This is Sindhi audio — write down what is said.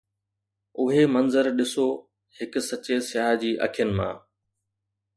اهي منظر ڏسو هڪ سچي سياح جي اکين مان